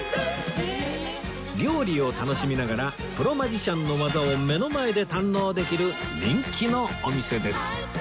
料理を楽しみながらプロマジシャンの技を目の前で堪能できる人気のお店です